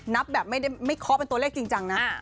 นับแบบไม่ได้เคาะเป็นตัวเลขจริงจังนะ